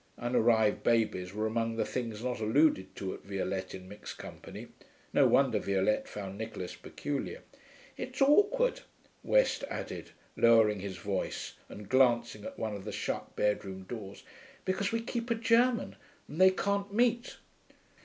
(Unarrived babies were among the things not alluded to at Violette in mixed company: no wonder Violette found Nicholas peculiar.) 'It's awkward,' West added, lowering his voice and glancing at one of the shut bedroom doors, 'because we keep a German, and they can't meet.'